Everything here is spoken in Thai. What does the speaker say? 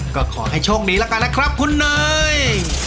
ก็ขอให้โชคดีแล้วกันนะครับคุณเนย